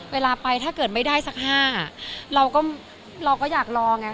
เวลาไปถ้าเกิดไม่ได้สัก๕เราก็อยากรอไง